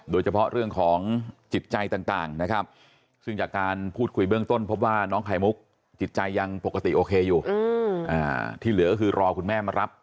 โดยเฉพาะเรื่องของจิตใจต่างนะครับซึ่งจากการพูดคุยเบื้องต้นพบว่าน้องไข่มุกจิตใจยังปกติโอเคอยู่ที่เหลือก็คือรอคุณแม่มารับ